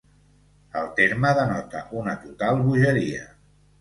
El terme denota una total bogeria.